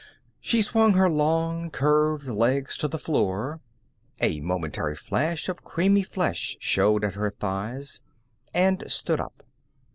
She swung her long, curved legs to the floor, a momentary flash of creamy flesh showing at her thighs, and stood up.